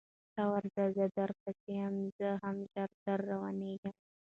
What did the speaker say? ته ورځه زه در پسې یم زه هم ژر در روانېږم